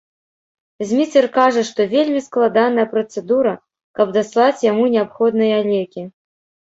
Зміцер кажа, што вельмі складаная працэдура, каб даслаць яму неабходныя лекі.